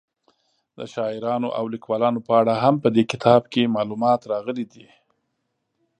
د شاعرانو او لیکوالو په اړه هم په دې کتاب کې معلومات راغلي دي.